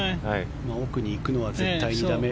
奥に行くのは絶対に駄目。